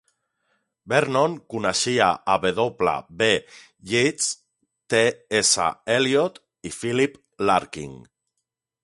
Vernon coneixia a W. B. Yeats, T. S. Eliot i Philip Larkin.